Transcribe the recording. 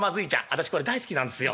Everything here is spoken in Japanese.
私これ大好きなんですよ。